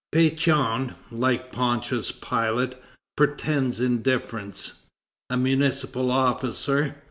Pétion, like Pontius Pilate, pretends indifference. A municipal officer, M.